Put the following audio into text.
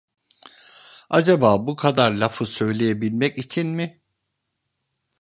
Acaba bu kadar lafı söyleyebilmek için mi.